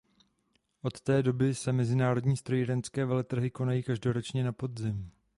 Od té doby se mezinárodní strojírenské veletrhy konají každoročně na podzim.